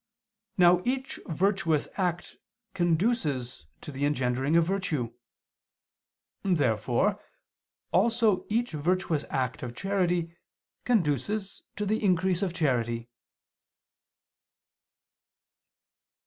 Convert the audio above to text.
Now each virtuous act conduces to the engendering of virtue. Therefore also each virtuous act of charity conduces to the increase of charity.